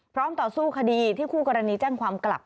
ต่อสู้คดีที่คู่กรณีแจ้งความกลับ